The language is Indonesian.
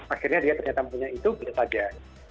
akhirnya dia ternyata punya itu belum tajam